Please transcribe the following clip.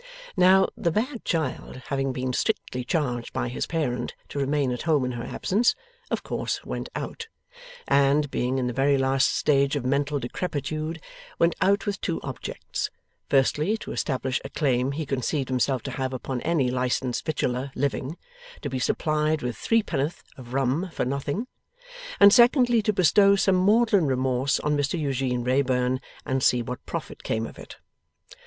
Now, the bad child having been strictly charged by his parent to remain at home in her absence, of course went out; and, being in the very last stage of mental decrepitude, went out with two objects; firstly, to establish a claim he conceived himself to have upon any licensed victualler living, to be supplied with threepennyworth of rum for nothing; and secondly, to bestow some maudlin remorse on Mr Eugene Wrayburn, and see what profit came of it.